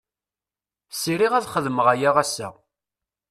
Sriɣ ad xedmeɣ aya ass-a.